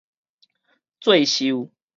做岫